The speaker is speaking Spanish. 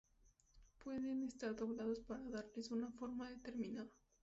Pueden estar doblados para darles una forma determinada.